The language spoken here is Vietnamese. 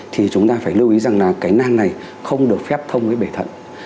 thì chúng ta phải lưu ý rằng là cái nang này không được phép thông cái bể thận